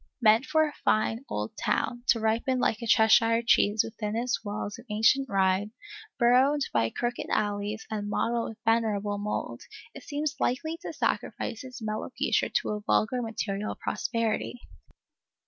Meant for a fine old town, to ripen like a Cheshire cheese within its walls of ancient rind, burrowed by crooked alleys and mottled with venerable mould, it seems likely to sacrifice its mellow future to a vulgar material prosperity.